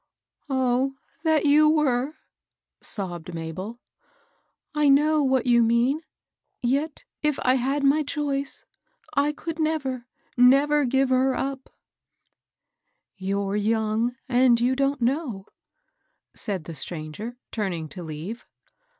" Oh, that you were I " sobbed Mabel. I know what you mean ; yet, if I had my choice, I could never, never give her up 1 "" You're young, and you don't know," said the stranger, turning to leave.